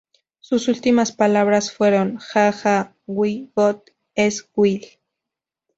Sus últimas palabras fueron:"Ja, Ja, wie Gott es will.